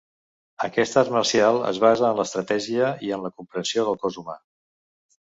Aquest art marcial es basa en l'estratègia i en la comprensió del cos humà.